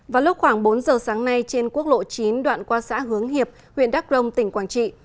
vào lúc khoảng bốn giờ sáng nay trên quốc lộ chín đoạn qua xã hướng hiệp huyện đắk rông tỉnh quảng trị